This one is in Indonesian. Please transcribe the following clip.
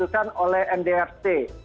dikapuskan oleh mdrc